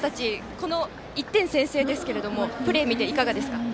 この１点先制ですけどプレー見ていかがですか？